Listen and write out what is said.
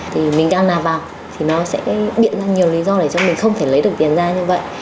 thì mình đang nạp vào thì nó sẽ biện ra nhiều lý do để cho mình không thể lấy được tiền ra như vậy